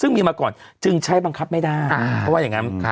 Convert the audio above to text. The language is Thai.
เพราะฉะนั้นเนี่ย